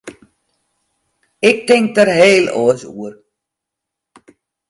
Ik tink der heel oars oer.